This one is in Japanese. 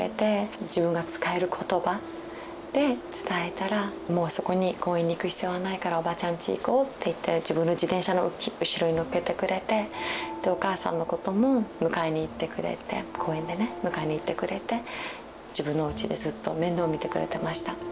自分が使える言葉で伝えたら「もうそこに公園に行く必要はないからおばちゃんち行こう」って言って自分の自転車の後ろに乗っけてくれてお母さんのことも迎えに行ってくれて公園でね迎えに行ってくれて自分のおうちでずっと面倒を見てくれてました。